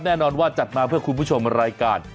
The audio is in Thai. แน่นอนว่าจัดมาเพื่อคุณผู้ชมรายการ